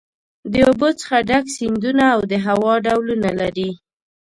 د اوبو څخه ډک سیندونه او د هوا ډولونه لري.